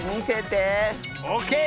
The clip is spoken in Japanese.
オーケー！